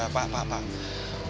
pak pak pak